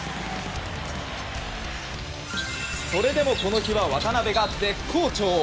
それでも、この日は渡邊が絶好調。